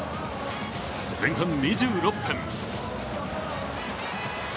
前半２６分。